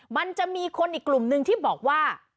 มันจะมีคนอีกกลุ่มนึงที่บอกว่า